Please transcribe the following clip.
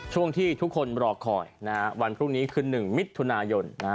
ช่วงที่ทุกคนรอดคอยนะวันพรุ่งนี้คือนึงมิดทุนายนนะ